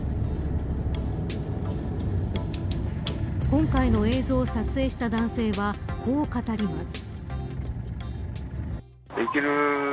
今回の映像を撮影した男性はこう語ります。